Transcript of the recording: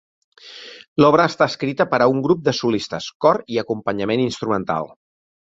L'obra està escrita per a un grup de solistes, cor i acompanyament instrumental.